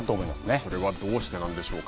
それはどうしてなんでしょうか。